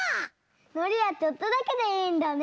のりはちょっとだけでいいんだね！